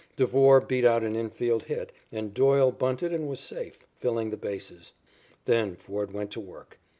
Devore beat out an infield hit, and Doyle bunted and was safe, filling the bases. Then Ford went to work.